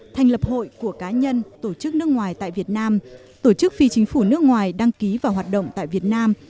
thành lập hội của cá nhân tổ chức nước ngoài tại việt nam tổ chức phi chính phủ nước ngoài đăng ký và hoạt động tại việt nam